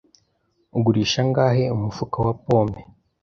Ugurisha angahe umufuka wa pome?